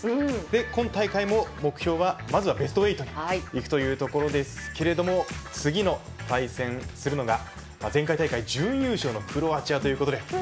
今大会も目標は、まずはベスト８に行くというところですが次、対戦するのが前回大会準優勝のクロアチアということで。